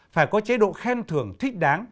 phải có chế độ khen thưởng thích đáng